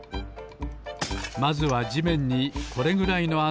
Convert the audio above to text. まずはじめんにこれぐらいのあなをほります。